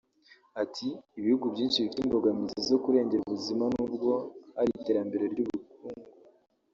Ati “Ibihugu byinshi bifite imbogamizi zo kurengera ubuzima nubwo hari iterambere ry’ubukungu